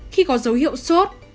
khi có dấu hiệu sốt